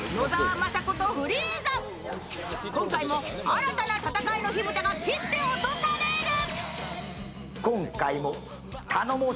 新たな戦いの火蓋が切って落とされる。